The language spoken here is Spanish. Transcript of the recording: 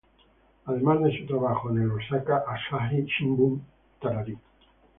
Además de su trabajo en el Osaka Asahi Shimbun Co.